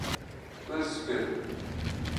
Pirs kir: